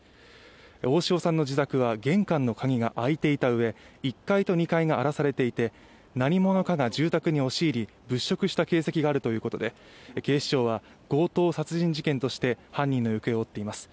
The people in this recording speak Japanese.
大塩さんの自宅は玄関の鍵が開いていたうえ、１階と２階が荒らされていて何者かが住宅に押し入り物色した形跡があるということで警視庁は、強盗殺人事件として犯人の行方を追っています。